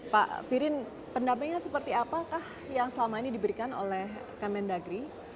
pak firin pendampingan seperti apakah yang selama ini diberikan oleh kemendagri